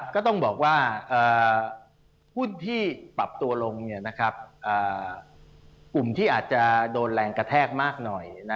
ก็ต้องบอกว่าหุ้นที่ปรับตัวลงกลุ่มที่อาจจะโดนแรงกระแทกมากหน่อย